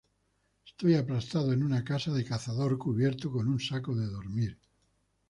Estoy aplastado en una casa de cazador, cubierto con un saco de dormir.